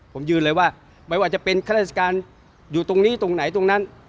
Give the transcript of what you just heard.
ผมยืนเลยว่าไม่ว่าจะเป็นข้าราชการอยู่ตรงนี้ตรงไหนตรงนั้น